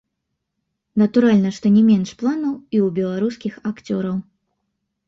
Натуральна, што не менш планаў і ў беларускіх акцёраў.